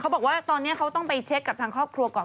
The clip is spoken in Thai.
บอกว่าตอนนี้เขาต้องไปเช็คกับทางครอบครัวก่อน